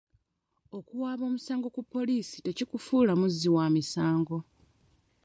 Okuwaaba omusango ku poliisi tekikufuula muzzi wa misango.